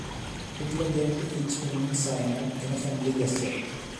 Hitler gave to each woman cyanide in a friendly gesture.